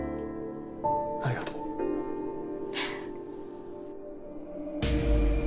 ありがとう。